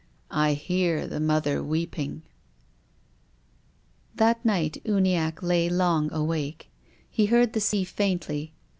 I hear the mother weeping." That night Uniacke lay long awake. He heard the sea faintly.